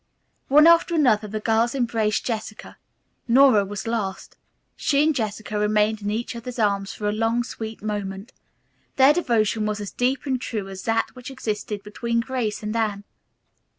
One after another the girls embraced Jessica. Nora was last. She and Jessica remained in each other's arms for a long, sweet moment. Their devotion was as deep and true as that which existed between Grace and Anne.